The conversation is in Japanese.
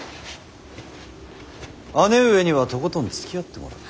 姉上にはとことんつきあってもらう。